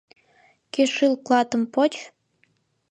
Кӱшыл клатым поч.